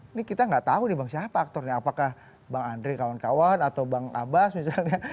ini kita nggak tahu nih bang siapa aktornya apakah bang andri kawan kawan atau bang abbas misalnya